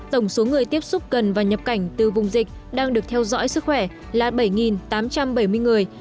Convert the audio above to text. tổng số người tiếp xúc gần và nhập cảnh từ vùng dịch đang được theo dõi sức khỏe là bảy tám trăm bảy mươi người